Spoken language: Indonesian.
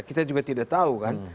kita juga tidak tahu kan